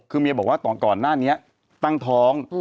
คือเมียบอกว่าก่อนหน้านี้ตั้งท้อง